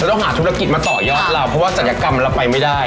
เราต้องหาธุรกิจมาต่อยอดเราเพราะว่าสัญกรรมอันดับไปไม่ได้